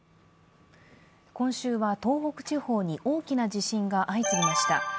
今週は東北地方に大きな地震が相次ぎました。